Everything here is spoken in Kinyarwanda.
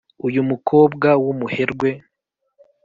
uyu mukobwa w’umuherwe